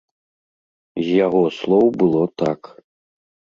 З яго слоў было так.